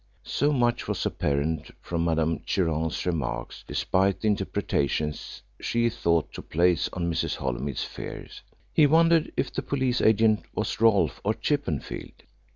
So much was apparent from Mademoiselle Chiron's remarks, despite the interpretation she sought to place on Mrs. Holymead's fears. He wondered if the "police agent" was Rolfe or Chippenfield.